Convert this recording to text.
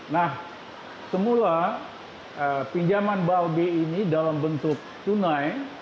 nah semula pinjaman balbe ini dalam bentuk tunai